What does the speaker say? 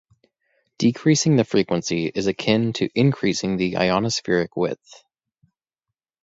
Decreasing the frequency is akin to increasing the ionospheric width.